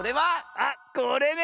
あっこれね！